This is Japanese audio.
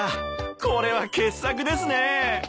これは傑作ですね！